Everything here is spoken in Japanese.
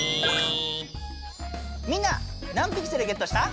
みんな何ピクセルゲットした？